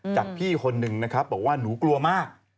จากพี่คนหนึ่งนะครับบอกว่าหนูกลัวมาก